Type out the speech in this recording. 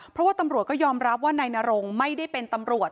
เพราะว่าตำรวจก็ยอมรับว่านายนรงไม่ได้เป็นตำรวจ